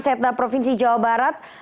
setda provinsi jawa barat